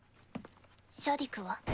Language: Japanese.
シャディクは？